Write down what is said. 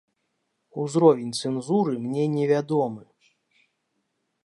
Узровень цэнзуры мне невядомы.